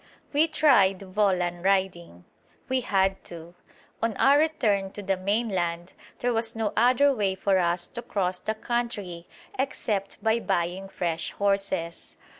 We tried volan riding. We had to. On our return to the mainland there was no other way for us to cross the country except by buying fresh horses.